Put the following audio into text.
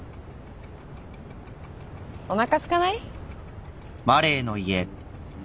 おなかすかない？